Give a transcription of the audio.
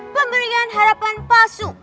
pemberian harapan palsu